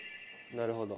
なるほど。